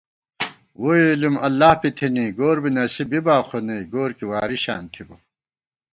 ووئی علم اللہ پی تھنی گور بی نصیب بِبا خو نئ گور کی واریشان تھِبہ